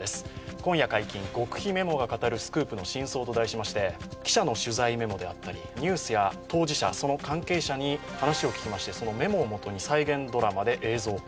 今夜解禁極秘メモが語る真相ということで、記者の取材メモであったりニュースや当事者、その関係者に話を聞きまして、そのメモをもとに再現ドラマで映像化。